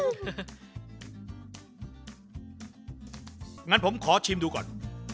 งั้นผมขอชิมดูก่อน